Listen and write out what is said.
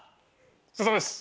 お疲れさまです。